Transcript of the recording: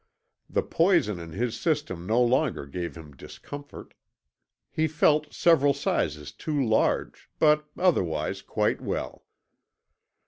The poison in his system no longer gave him discomfort. He felt several sizes too large but, otherwise, quite well.